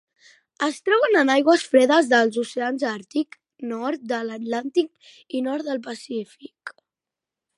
Es troben en aigües fredes dels oceans Àrtic, nord de l'Atlàntic i nord del Pacífic.